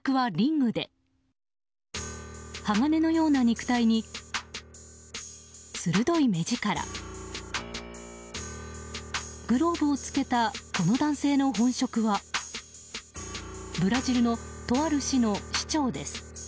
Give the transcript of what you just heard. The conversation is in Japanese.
グローブをつけたこの男性の本職はブラジルのとある市の市長です。